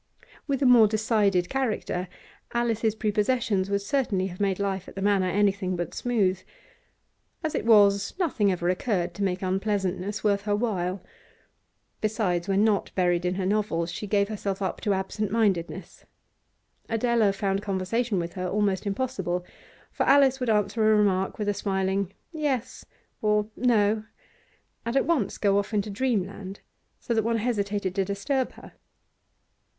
With a more decided character, Alice's prepossessions would certainly have made life at the Manor anything but smooth; as it was, nothing ever occurred to make unpleasantness worth her while. Besides, when not buried in her novels, she gave herself up to absentmindedness; Adela found conversation with her almost impossible, for Alice would answer a remark with a smiling 'Yes' or 'No,' and at once go off into dreamland, so that one hesitated to disturb her.